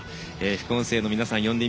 副音声の皆さん